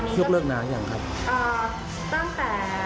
ยกเลิกนานอย่างไรครับ